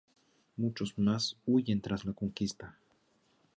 Muchos más huyen tras la conquista.